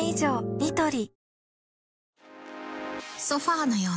ニトリ